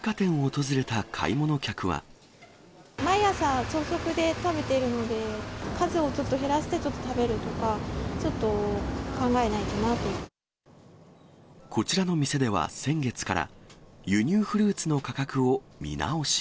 毎朝、朝食で食べているので、数をちょっと減らしてちょっと食べるとか、ちょっと考えないとなこちらの店では、先月から、輸入フルーツの価格を見直し。